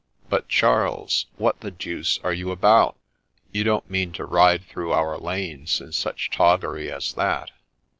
' But, Charles, what the deuce are you about ? you don't mean to ride through our lanes in such toggery as that